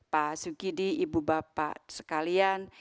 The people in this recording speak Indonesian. pak sugidi ibu bapak sekalian